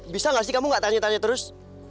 bisa nggak sih kamu gak tanya tanya terus